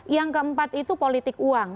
yang keempat itu politik uang